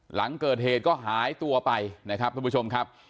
หลังเกิดเหตุก็หายตัวไปนะครับทุกผู้ชมครับ